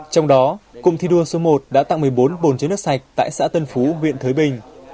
trong đó cụm thi đua số một đã tặng một mươi bốn bồn chứa nước sạch tại xã tân phú huyện thới bình